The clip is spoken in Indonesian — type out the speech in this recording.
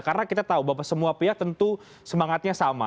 karena kita tahu bahwa semua pihak tentu semangatnya sama